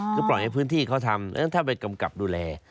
คือปล่อยให้พื้นที่เขาทำแล้วถ้าไปกำกับดูแล